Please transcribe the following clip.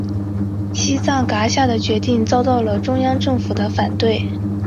西藏噶厦的决定遭到中央政府的反对。